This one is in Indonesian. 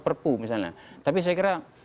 perpu misalnya tapi saya kira